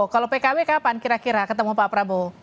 kalau pkb kapan kira kira ketemu pak prabowo